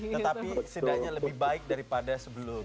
tetapi sedangnya lebih baik daripada sebelumnya